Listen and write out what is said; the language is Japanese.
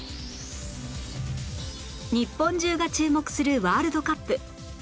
日本中が注目するワールドカップ